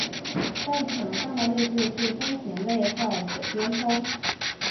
在场上的位置是中前卫或左边锋。